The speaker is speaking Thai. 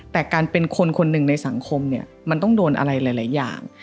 แต่การเป็นคนคนหนึ่งในสังคมเนี่ยมันต้องโดนอะไรหลายอย่าง